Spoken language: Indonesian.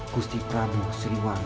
gusti prabu siliwangi